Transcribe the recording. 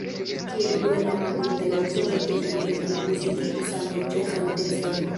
Kiel unu el malmultaj aŭtoroj tiutempe li muzikigis ankaŭ ĉeĥajn tekstojn.